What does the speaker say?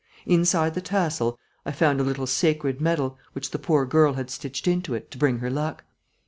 Inside the tassel, I found a little sacred medal, which the poor girl had stitched into it to bring her luck.